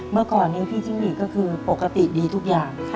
เมื่อก่อนนี้พี่จิ้งหลีก็คือปกติดีทุกอย่าง